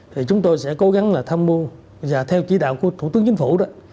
thì chúng tôi sẽ cố gắng là tham mưu và theo chỉ đạo của thủ tướng chính phủ đó